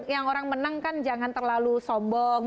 yang orang menang kan jangan terlalu sombong